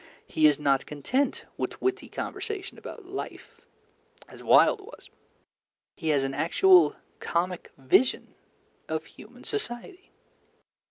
He is not content with witty conversation about life, as Wilde was: he has an actual comic vision of human society.